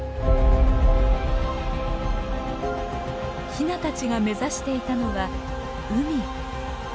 ヒナたちが目指していたのは海。